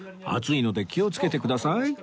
熱いので気をつけてください